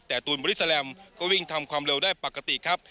แต่ตูนบริสแลมก็วิ่งทำความเร็วได้ปกติครับ